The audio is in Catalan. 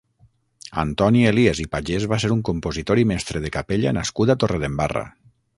Antoni Elias i Pagès va ser un compositor i mestre de capella nascut a Torredembarra.